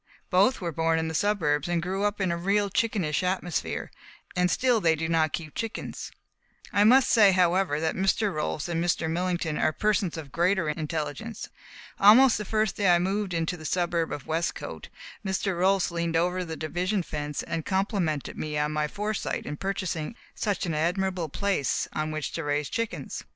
Both were born in the suburbs, and grew up in a real chickenish atmosphere, and still they do not keep chickens. I must say, however, that Mr. Rolfs and Mr. Millington are persons of greater intelligence. Almost the first day I moved into the suburb of Westcote, Mr. Rolfs leaned over the division fence and complimented me on my foresight in purchasing such an admirable place on which to raise chickens.